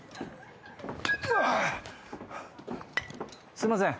すいません。